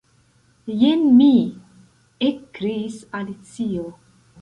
"Jen mi" ekkriis Alicio.